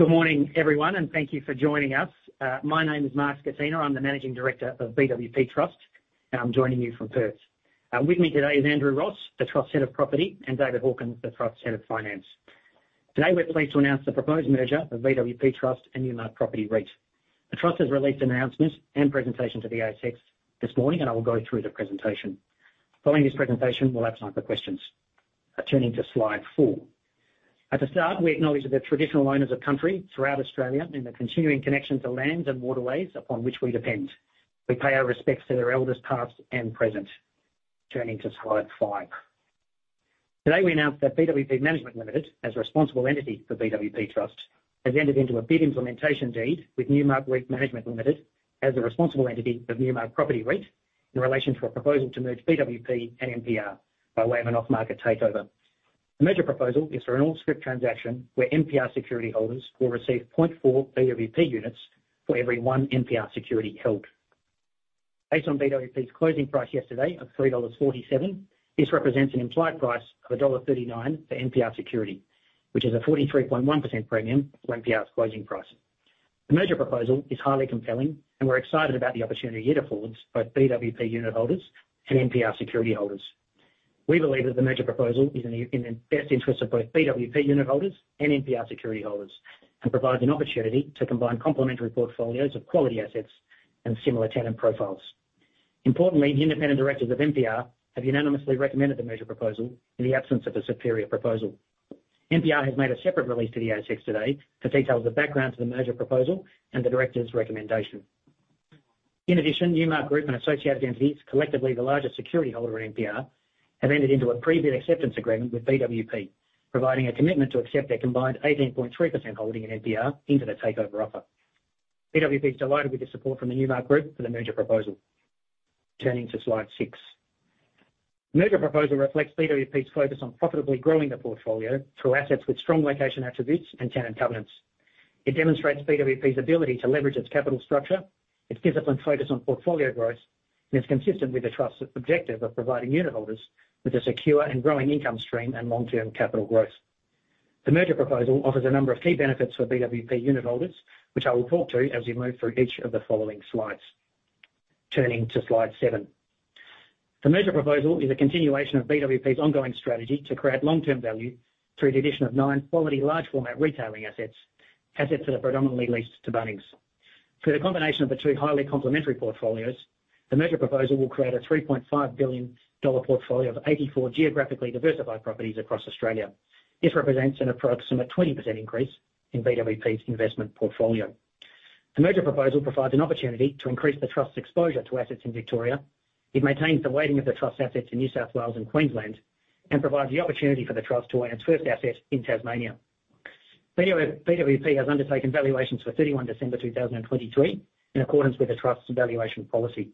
Good morning, everyone, and thank you for joining us. My name is Mark Scatena. I'm the Managing Director of BWP Trust, and I'm joining you from Perth. With me today is Andrew Ross, the Trust's Head of Property, and David Hawkins, the Trust's Head of Finance. Today, we're pleased to announce the proposed merger of BWP Trust and Newmark Property REIT. The Trust has released announcements and presentation to the ASX this morning, and I will go through the presentation. Following this presentation, we'll have time for questions. Turning to Slide 4. At the start, we acknowledge that the traditional owners of country throughout Australia, and the continuing connection to lands and waterways upon which we depend. We pay our respects to their elders, past and present. Turning to Slide 5. Today, we announced that BWP Management Limited, as a responsible entity for BWP Trust, has entered into a bid implementation deed with Newmark REIT Management Limited as a responsible entity of Newmark Property REIT, in relation to a proposal to merge BWP and NPR by way of an off-market takeover. The merger proposal is for an all-script transaction, where NPR security holders will receive 0.4 BWP units for every one NPR security held. Based on BWP's closing price yesterday of 3.47 dollars, this represents an implied price of dollar 1.39 for NPR security, which is a 43.1% premium for NPR's closing price. The merger proposal is highly compelling, and we're excited about the opportunity it affords both BWP unit holders and NPR security holders. We believe that the merger proposal is in the best interest of both BWP unit holders and NPR security holders, and provides an opportunity to combine complementary portfolios of quality assets and similar tenant profiles. Importantly, the independent directors of NPR have unanimously recommended the merger proposal in the absence of a superior proposal. NPR has made a separate release to the ASX today that details the background to the merger proposal and the directors' recommendation. In addition, Newmark Group and associated entities, collectively, the largest security holder in NPR, have entered into a pre-bid acceptance agreement with BWP, providing a commitment to accept their combined 18.3% holding in NPR into the takeover offer. BWP is delighted with the support from the Newmark Group for the merger proposal. Turning to Slide 6. Merger proposal reflects BWP's focus on profitably growing the portfolio through assets with strong location attributes and tenant governance. It demonstrates BWP's ability to leverage its capital structure, its discipline and focus on portfolio growth, and is consistent with the trust's objective of providing unit holders with a secure and growing income stream and long-term capital growth. The merger proposal offers a number of key benefits for BWP unit holders, which I will talk to as we move through each of the following slides. Turning to Slide 7. The merger proposal is a continuation of BWP's ongoing strategy to create long-term value through the addition of nine quality, large-format retailing assets, assets that are predominantly leased to Bunnings. Through the combination of the two highly complementary portfolios, the merger proposal will create a 3.5 billion dollar portfolio of 84 geographically diversified properties across Australia. This represents an approximate 20% increase in BWP's investment portfolio. The merger proposal provides an opportunity to increase the trust's exposure to assets in Victoria. It maintains the weighting of the trust's assets in New South Wales and Queensland, and provides the opportunity for the trust to own its first asset in Tasmania. BWP has undertaken valuations for 31 December 2023 in accordance with the trust's valuation policy.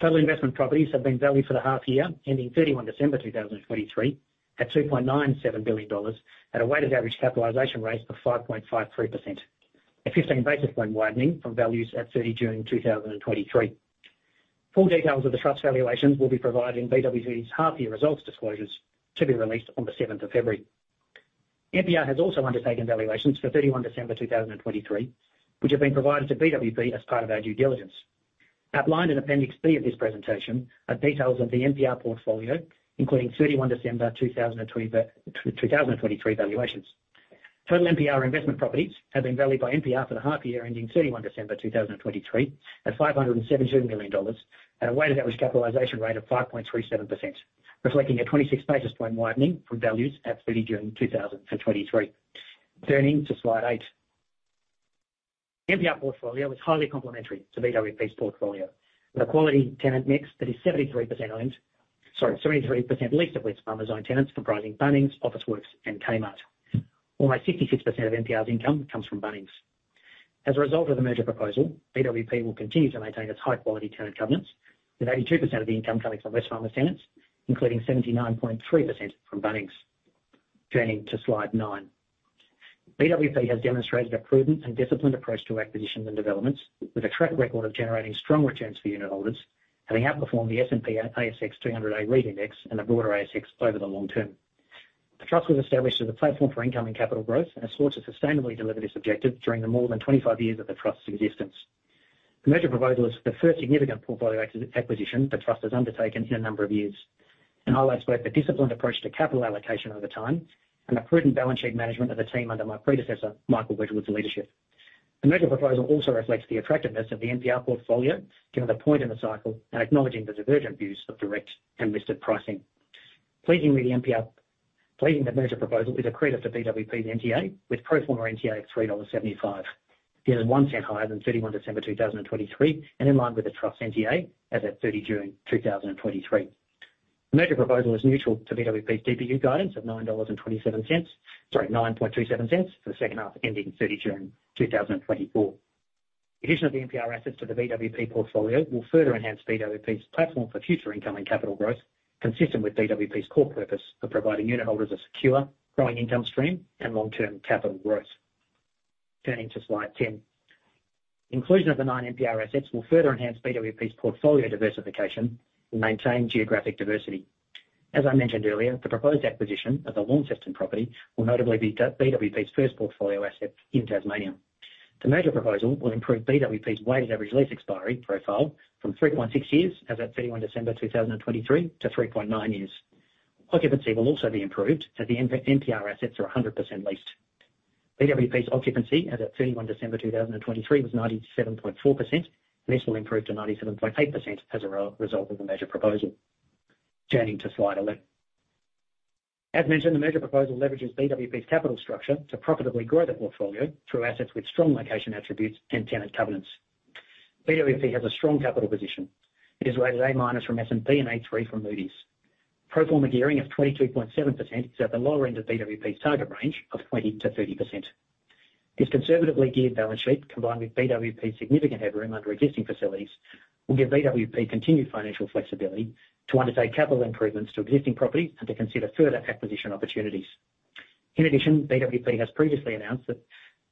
Total investment properties have been valued for the half year ending 31 December 2023 at 2.97 billion dollars, at a weighted average capitalization rate of 5.53%. A 15 basis point widening from values at 30 June 2023. Full details of the trust's valuations will be provided in BWP's half year results disclosures, to be released on the seventh of February. NPR has also undertaken valuations for 31 December 2023, which have been provided to BWP as part of our due diligence. Outlined in Appendix B of this presentation, are details of the NPR portfolio, including 31 December 2023, 2023 valuations. Total NPR investment properties have been valued by NPR for the half year ending 31 December 2023, at 517 million dollars, at a weighted average capitalization rate of 5.37%, reflecting a 26 basis point widening from values at 30 June 2023. Turning to Slide 8. NPR portfolio is highly complementary to BWP's portfolio, with a quality tenant mix that is 73% owned—Sorry, 73% leased to Wesfarmers owned tenants, comprising Bunnings, Officeworks, and Kmart. Almost 66% of NPR's income comes from Bunnings. As a result of the merger proposal, BWP will continue to maintain its high-quality tenant governance, with 82% of the income coming from Wesfarmers tenants, including 79.3% from Bunnings. Turning to Slide 9. BWP has demonstrated a prudent and disciplined approach to acquisitions and developments, with a track record of generating strong returns for unit holders, having outperformed the S&P ASX 200 A-REIT Index and the broader ASX over the long term. The trust was established as a platform for income and capital growth and has sought to sustainably deliver this objective during the more than 25 years of the trust's existence. The merger proposal is the first significant portfolio acquisition the trust has undertaken in a number of years, and highlights both the disciplined approach to capital allocation over time and a prudent balance sheet management of the team under my predecessor, Michael Wedgwood's leadership. The merger proposal also reflects the attractiveness of the NPR portfolio, given the point in the cycle and acknowledging the divergent views of direct and listed pricing. Pleasingly, the merger proposal is accretive to BWP's NTA, with pro forma NTA of AUD 3.75, nearly 1 cent higher than 31 December 2023, and in line with the trust's NTA as at 30 June 2023. The merger proposal is neutral to BWP's DPU guidance of AUD 9.27—Sorry, 9.27 cents for the second half, ending 30 June 2024. Addition of the NPR assets to the BWP portfolio will further enhance BWP's platform for future income and capital growth, consistent with BWP's core purpose of providing unit holders a secure, growing income stream and long-term capital growth. Turning to Slide 10.... inclusion of the nine NPR assets will further enhance BWP's portfolio diversification and maintain geographic diversity. As I mentioned earlier, the proposed acquisition of the Launceston property will notably be BWP's first portfolio asset in Tasmania. The merger proposal will improve BWP's weighted average lease expiry profile from three years and six months, as at 31 December 2023, to three years and nine months. Occupancy will also be improved, as the NPR assets are 100% leased. BWP's occupancy, as at 31 December 2023, was 97.4%, and this will improve to 97.8% as a result of the merger proposal. Turning to slide 11. As mentioned, the merger proposal leverages BWP's capital structure to profitably grow the portfolio through assets with strong location attributes and tenant covenants. BWP has a strong capital position. It is rated A- from S&P and A3 from Moody's. Pro forma gearing of 22.7% is at the lower end of BWP's target range of 20%-30%. This conservatively geared balance sheet, combined with BWP's significant headroom under existing facilities, will give BWP continued financial flexibility to undertake capital improvements to existing properties and to consider further acquisition opportunities. In addition, BWP has previously announced that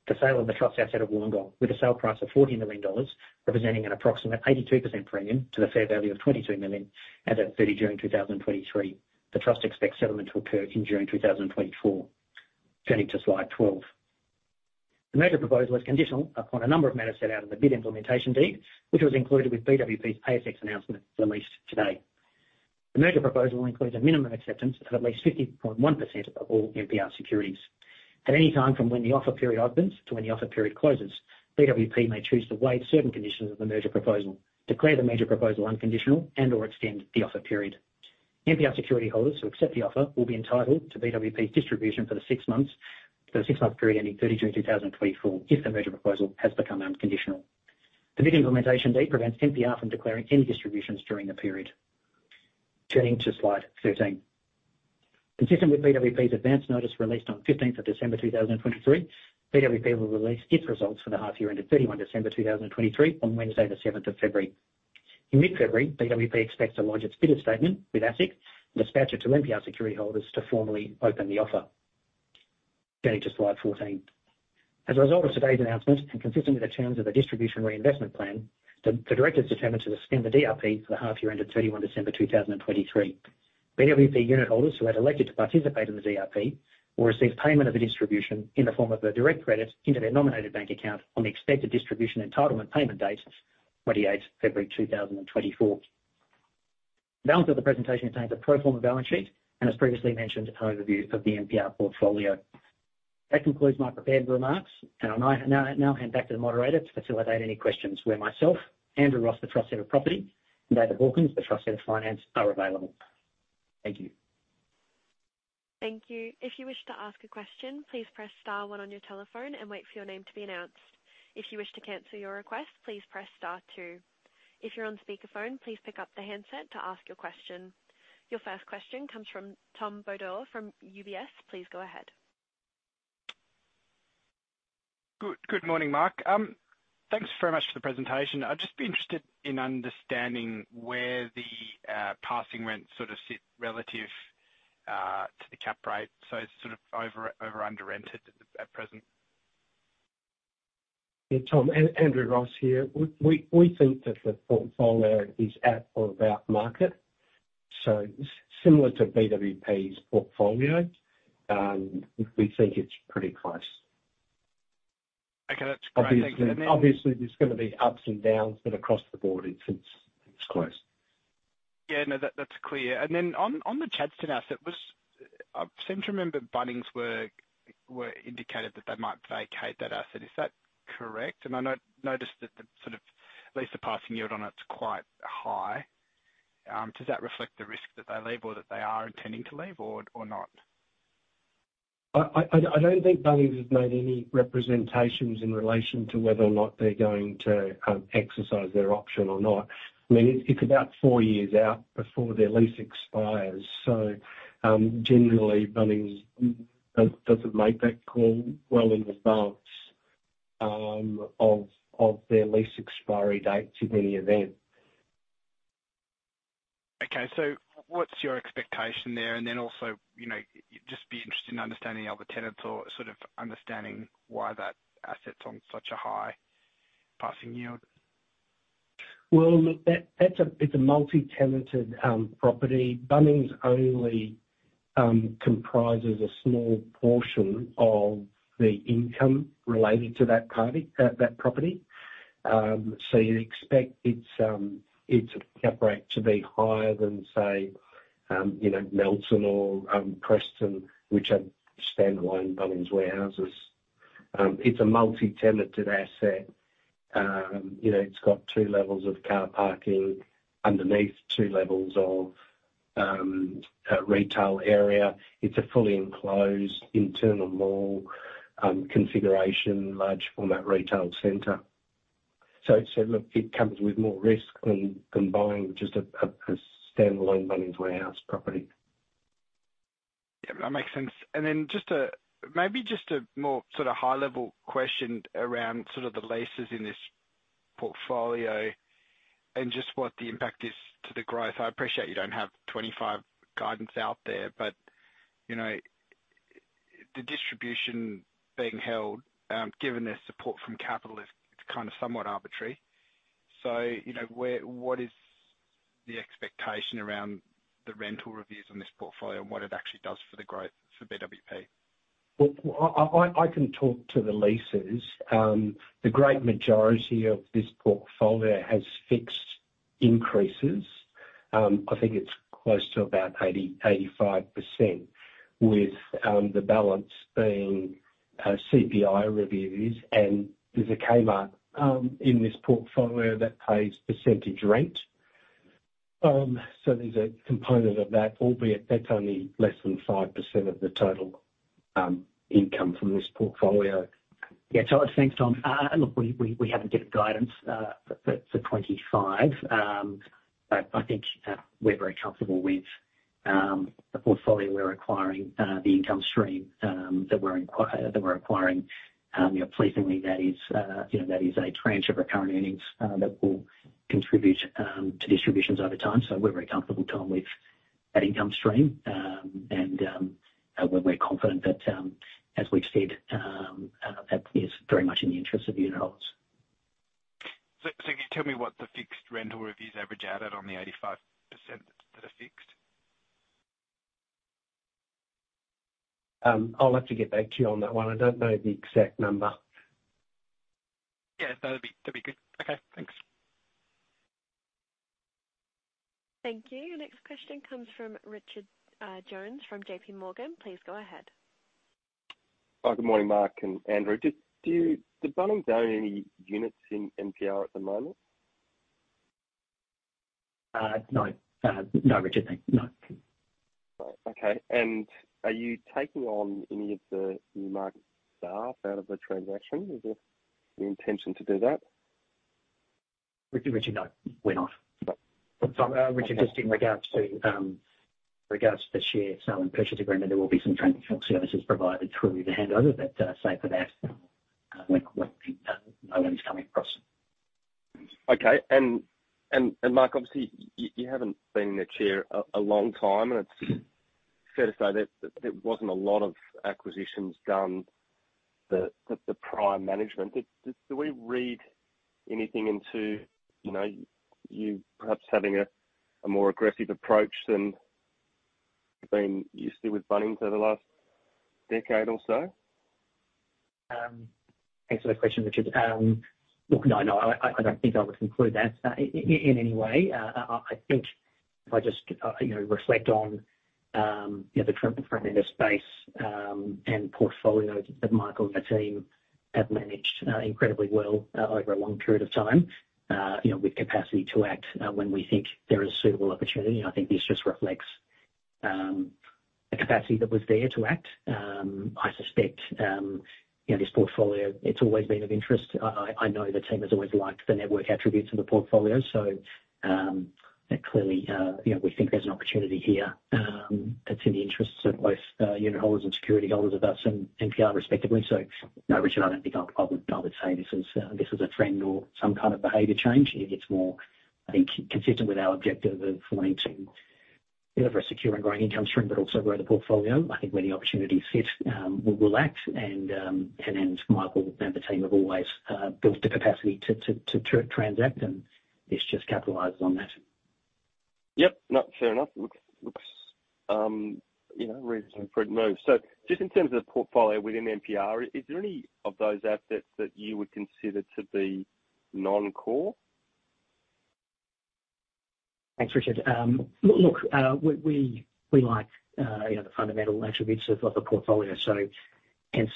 the sale of the Trust's asset of Wollongong, with a sale price of 40 million dollars, representing an approximate 82% premium to the fair value of 22 million as at 30 June 2023. The Trust expects settlement to occur in June 2024. Turning to slide 12. The merger proposal is conditional upon a number of matters set out in the Bid Implementation Deed, which was included with BWP's ASX announcement released today. The merger proposal includes a minimum acceptance of at least 50.1% of all NPR securities. At any time from when the offer period opens to when the offer period closes, BWP may choose to waive certain conditions of the merger proposal, declare the merger proposal unconditional, and/or extend the offer period. NPR security holders who accept the offer will be entitled to BWP's distribution for the six-month period ending 30 June 2024, if the merger proposal has become unconditional. The Bid Implementation Deed prevents NPR from declaring any distributions during the period. Turning to slide 13. Consistent with BWP's advance notice released on 15 December 2023, BWP will release its results for the half year ended 31 December 2023, on Wednesday, 7 February. In mid-February, BWP expects to lodge its bidder statement with ASIC and dispatch it to NPR security holders to formally open the offer. Turning to slide 14. As a result of today's announcement, and consistent with the terms of the Distribution Reinvestment Plan, the directors determined to suspend the DRP for the half year ended 31 December 2023. BWP unitholders who had elected to participate in the DRP will receive payment of a distribution in the form of a direct credit into their nominated bank account on the expected distribution entitlement payment date, 28 February 2024. The balance of the presentation contains a pro forma balance sheet, and as previously mentioned, an overview of the NPR portfolio. That concludes my prepared remarks, and I'll now hand back to the moderator to facilitate any questions where myself, Andrew Ross, the Head of Property, and David Hawkins, the Head of Finance, are available. Thank you. Thank you. If you wish to ask a question, please press star one on your telephone and wait for your name to be announced. If you wish to cancel your request, please press star two. If you're on speakerphone, please pick up the handset to ask your question. Your first question comes from Tom Bodor from UBS. Please go ahead. Good morning, Mark. Thanks very much for the presentation. I'd just be interested in understanding where the passing rents sort of sit relative to the cap rate. So sort of over-under rented at present. Yeah, Tom, Andrew Ross here. We think that the portfolio is at or about market, so similar to BWP's portfolio, we think it's pretty close. Okay, that's great. Obviously, there's gonna be ups and downs, but across the board, it's close. Yeah, no, that's clear. And then on the Chadstone asset, I seem to remember Bunnings were indicated that they might vacate that asset. Is that correct? And I noticed that the sort of lease passing yield on it is quite high. Does that reflect the risk that they leave, or that they are intending to leave, or not? I don't think Bunnings has made any representations in relation to whether or not they're going to exercise their option or not. I mean, it's about four years out before their lease expires. So, generally, Bunnings doesn't make that call well in advance of their lease expiry date to any event. Okay, so what's your expectation there? And then also, just be interested in understanding the other tenants or sort of understanding why that asset's on such a high passing yield. Well, look, that's a multi-tenanted property. Bunnings only comprises a small portion of the income related to that property. So you'd expect its cap rate to be higher than, say, Nelson or Preston, which are standalone Bunnings warehouses. It's a multi-tenanted asset. It's got two levels of car parking underneath, two levels of a retail area. It's a fully enclosed internal mall configuration, large format retail center. So look, it comes with more risk than buying just a standalone Bunnings warehouse property. Yeah, that makes sense. And then just a, maybe just a more sort of high-level question around sort of the leases in this portfolio and just what the impact is to the growth. I appreciate you don't have 25 guidance out there, but the distribution being held, given their support from capital is kind of somewhat arbitrary. So, where, what is the expectation around the rental reviews on this portfolio and what it actually does for the growth for BWP? Well, I can talk to the leases. The great majority of this portfolio has fixed increases. I think it's close to about 80-85%, with the balance being CPI reviews, and there's a Kmart in this portfolio that pays percentage rent. So there's a component of that, albeit that's only less than 5% of the total income from this portfolio. Yeah, thanks, Tom. And look, we haven't given guidance for 25. But I think we're very comfortable with the portfolio we're acquiring, the income stream that we're acquiring. Pleasingly, that is that is a tranche of recurrent earnings that will contribute to distributions over time. So we're very comfortable, Tom, with that income stream. And we're confident that, as we've said, that is very much in the interest of unitholders. So, so can you tell me what the fixed rental reviews average out at on the 85% that are fixed? I'll have to get back to you on that one. I don't know the exact number. Yeah. No, that'd be, that'd be good. Okay, thanks. Thank you. Your next question comes from Richard Jones from JPMorgan. Please go ahead. Good morning, Mark and Andrew. Did Bunnings own any units in NPR at the moment? No. No, Richard, I think. No. Okay. Are you taking on any of the Newmark staff out of the transaction? Is there the intention to do that? With you, Richard, no, we're not. So, Richard, just in regards to the share sale and purchase agreement, there will be some transitional services provided through the handover, but save for that, no one is coming across. Okay. And Mark, obviously, you haven't been the chair a long time, and it's fair to say that there wasn't a lot of acquisitions done that the prior management. Do we read anything into, you perhaps having a more aggressive approach than we've been used to with Bunnings over the last decade or so? Thanks for the question, Richard. Look, no, no, I don't think I would conclude that in any way. I think if I just, reflect on, the current front end of space, and portfolio that Michael and the team have managed, incredibly well, over a long period of time, with capacity to act, when we think there is a suitable opportunity, I think this just reflects, a capacity that was there to act. I suspect, this portfolio, it's always been of interest. I know the team has always liked the network attributes of the portfolio, so, and clearly, we think there's an opportunity here, that's in the interests of both unitholders and security holders of us and NPR respectively. So no, Richard, I don't think I would say this is, this is a trend or some kind of behavior change. It's more, I think, consistent with our objective of wanting to deliver a secure and growing income stream, but also grow the portfolio. I think where the opportunities fit, we'll act and, and Michael and the team have always built the capacity to transact, and this just capitalizes on that. Yep. No, fair enough. Looks, reasonably prudent move. So just in terms of the portfolio within NPR, is there any of those assets that you would consider to be non-core? Thanks, Richard. Look, we like, the fundamental attributes of the portfolio, so hence,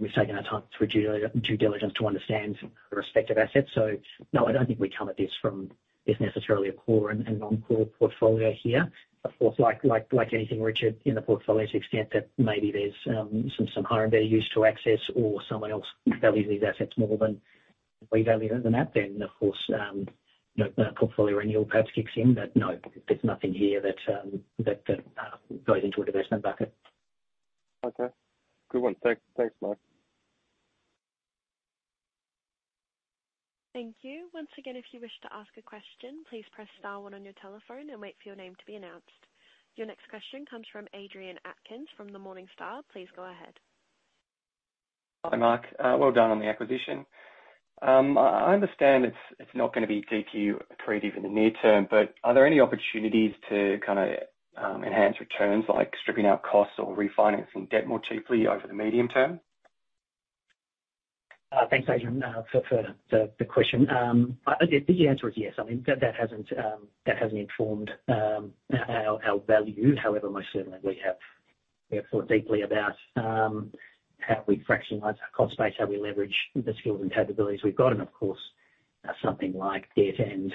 we've taken our time through due diligence to understand the respective assets. So no, I don't think we come at this from. It's necessarily a core and non-core portfolio here. Of course, like anything, Richard, in the portfolio to the extent that maybe there's some higher and better use to access or someone else values these assets more than we value them than that, then, of course, portfolio renewal perhaps kicks in. But no, there's nothing here that goes into a divestment bucket. Okay. Good one. Thanks. Thanks, Mark. Thank you. Once again, if you wish to ask a question, please press star one on your telephone and wait for your name to be announced. Your next question comes from Adrian Atkins from Morningstar. Please go ahead. Hi, Mark. Well done on the acquisition. I understand it's not gonna be taking you accretive in the near term, but are there any opportunities to kind of enhance returns, like stripping out costs or refinancing debt more cheaply over the medium term? Thanks, Adrian, for the question. The answer is yes. I mean, that hasn't informed our value. However, most certainly we have thought deeply about how we fractionalize our cost base, how we leverage the skills and capabilities we've got, and of course, something like debt and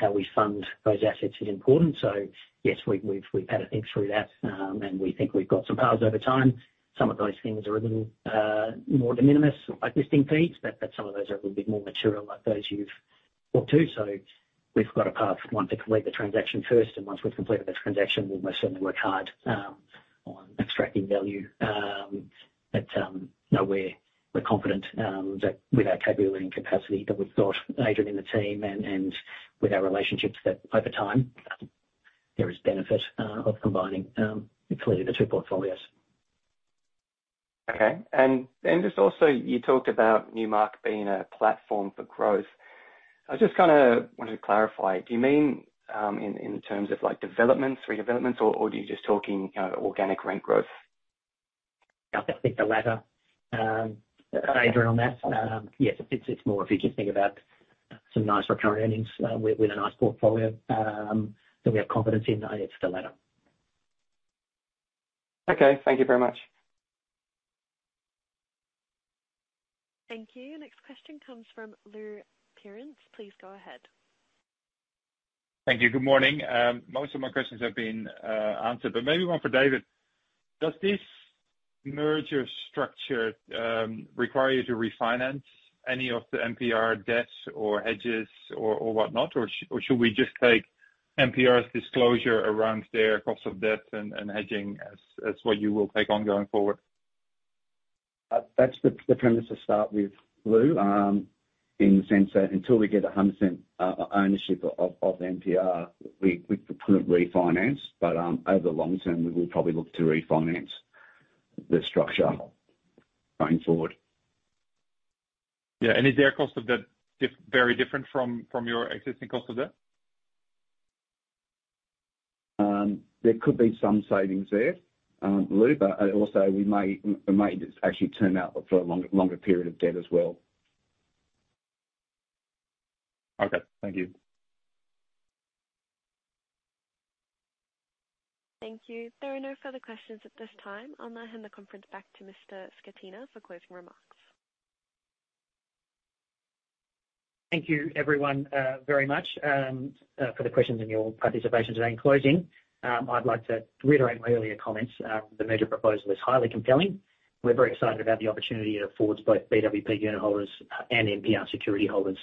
how we fund those assets is important. So yes, we've had to think through that, and we think we've got some paths over time. Some of those things are a little more de minimis, like listing fees, but some of those are a little bit more mature, like those you've thought, too. So we've got a path, one, to complete the transaction first, and once we've completed this transaction, we'll most certainly work hard on extracting value. But, no, we're confident that with our capability and capacity that we've got Adrian in the team and with our relationships, that over time there is benefit of combining the two portfolios. Okay. And just also, you talked about Newmark being a platform for growth. I just kinda wanted to clarify, do you mean, in terms of like developments, redevelopments, or are you just talking, organic rent growth? I think the latter, Adrian, on that. Yes, it's, it's more if you just think about some nice recurring earnings, with, with a nice portfolio, that we have confidence in. It's the latter. Okay, thank you very much. Thank you. Next question comes from Lou Pirenc. Please go ahead. Thank you. Good morning. Most of my questions have been answered, but maybe one for David. Does this merger structure require you to refinance any of the NPR debts or hedges or whatnot? Or should we just take NPR's disclosure around their cost of debt and hedging as what you will take on going forward? That's the premise to start with, Lou. In the sense that until we get 100% ownership of NPR, we couldn't refinance, but over the long term, we will probably look to refinance the structure going forward. Yeah, and is their cost of debt very different from, from your existing cost of debt? There could be some savings there, Lou, but also we may just actually turn out for a longer period of debt as well. Okay, thank you. Thank you. There are no further questions at this time. I'll now hand the conference back to Mr. Scatena for closing remarks. Thank you, everyone, very much, for the questions and your participation today. In closing, I'd like to reiterate my earlier comments. The merger proposal is highly compelling. We're very excited about the opportunity it affords both BWP unit holders and NPR security holders.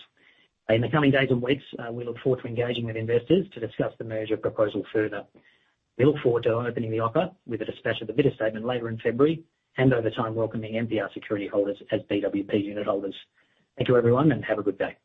In the coming days and weeks, we look forward to engaging with investors to discuss the merger proposal further. We look forward to opening the offer with the dispatch of the bidder statement later in February, and over time, welcoming NPR security holders as BWP unit holders. Thank you, everyone, and have a good day.